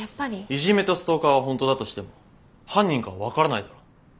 イジメとストーカーは本当だとしても犯人かは分からないだろ。